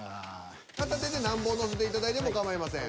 片手で何本乗せていただいてもかまいません。